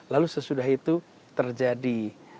lalu sesudah itu terjadi